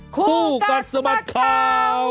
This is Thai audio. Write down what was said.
คู่กัดสะบัดข่าว